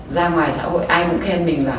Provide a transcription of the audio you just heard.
ra ngoài xã hội ai cũng khen mình là